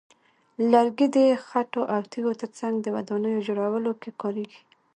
لرګي د خټو او تیږو ترڅنګ د ودانیو جوړولو کې کارېږي.